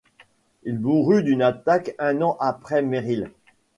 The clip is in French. Il mourut d'une attaque un an après Merrill.